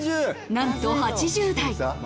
なんと８０代。